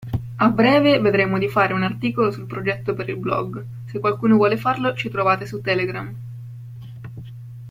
A breve vedremo di fare un articolo sul progetto per il blog, se qualcuno vuole farlo ci trovate su Telegram.